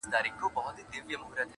زخم په وجود یې ښه ژور خوړلی دی